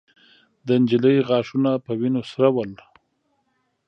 د نجلۍ غاښونه په وينو سره ول.